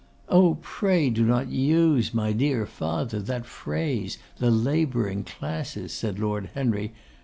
'Oh! pray do not use, my dear father, that phrase, the labouring classes!' said Lord Henry.